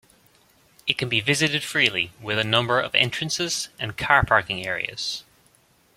It can be visited freely, with a number of entrances and car parking areas.